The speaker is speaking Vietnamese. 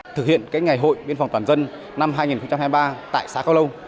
thực hiện ngày hội biên phòng toàn dân năm hai nghìn hai mươi ba tại xã cao lâu